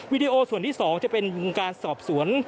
ดีโอส่วนที่๒จะเป็นการสอบสวน